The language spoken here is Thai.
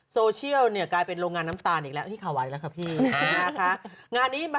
โซเชียลกลายเป็นโรงงานน้ำตาลอีกแล้ว